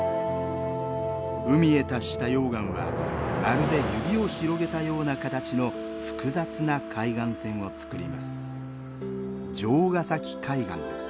海へ達した溶岩はまるで指を広げたような形の複雑な海岸線をつくります。